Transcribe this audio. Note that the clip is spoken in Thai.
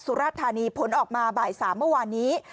สุราธานีผลออกมาบ่าย๓เมื่อวานนี้